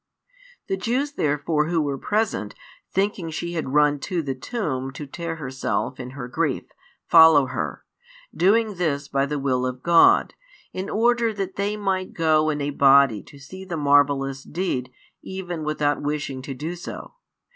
The Jews therefore who were present, thinking she had run to the tomb to tear herself [in her grief], follow her; |121 doing this by the will of God, in order that they might go in a body to see the marvellous deed, even without wishing to do so.